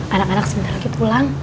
anak anak sebentar lagi pulang